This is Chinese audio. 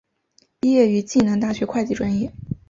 毕业于暨南大学会计专业。